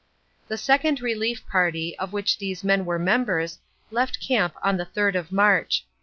The Second Relief Party, of which these men were members, left camp on the third of March.